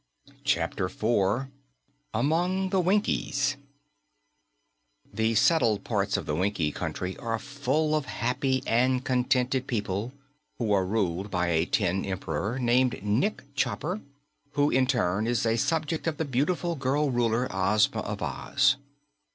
CHAPTER 4 AMONG THE WINKIES The settled parts of the Winkie Country are full of happy and contented people who are ruled by a tin Emperor named Nick Chopper, who in turn is a subject of the beautiful girl Ruler, Ozma of Oz.